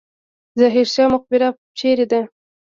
ظاهر شاه مقبره چیرته ده؟